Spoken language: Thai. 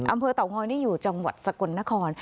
อำเภอเต่างอยนี่อยู่จังหวัดสกลนคร